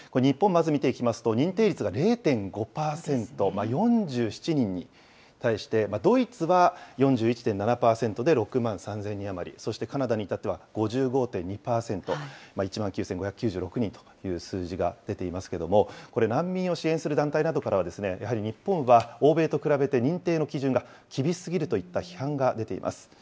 まず見ていきますと、認定率が０．５％、４７人に対して、ドイツは４１．７％で６万３０００人余り、そしてカナダにいたっては５５．２％、１万９５９６人という数字が出ていますけれども、これ、難民を支援する団体などからは、やはり日本は欧米と比べて認定の基準が厳しすぎるといった批判が出ています。